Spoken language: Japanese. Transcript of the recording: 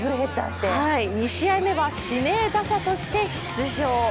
２試合目は指名打者として出場。